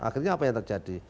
akhirnya apa yang terjadi